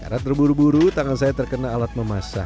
karena terburu buru tangan saya terkena alat memasak